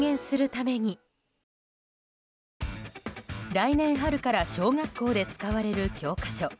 来年春から小学校で使われる教科書。